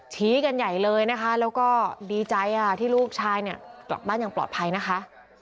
ชี้กันใหญ่เลยนะคะแล้วก็ดีใจที่ลูกชายเนี่ยกลับบ้านอย่างปลอดภัยนะคะ